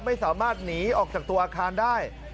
ไม่สามารถหนีออกจากตัวอาคารได้